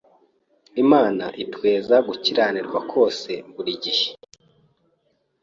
Imana itweza gukiranirwa kose buri gihe